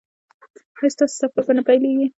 ایا ستاسو سفر به نه پیلیږي؟